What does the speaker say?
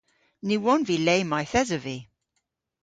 Ny wonn vy le mayth esov vy.